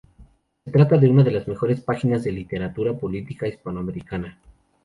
Se trata de una de las mejores páginas de la literatura política hispanoamericana.